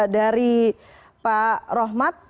dari pak rohmat